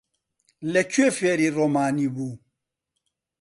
لەکوێ فێری ڕۆمانی بوو؟